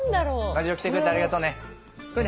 ガジロウ来てくれてありがとうね。